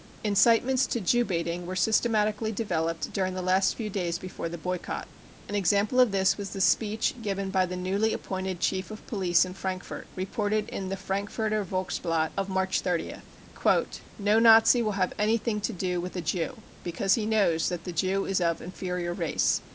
Incitements to Jew baiting were systematically developed during the last few days )*efore the boycott ^An example of this was the speech given by the newly appointed Chief of Police in Frankfort, reported in the Frankfurter Volksblatt of March 30th :" No Nazi will have anything to do with a Jew, because he knows that the Jew is of inferior race.